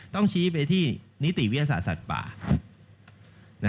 ต้องชี้ไปที่นิติวิทยาศาสตร์สัตว์ป่า